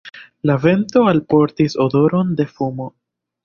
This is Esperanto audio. La vento alportis odoron de fumo.